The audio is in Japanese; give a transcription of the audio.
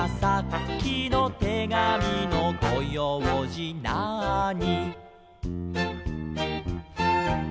「さっきのてがみのごようじなあに」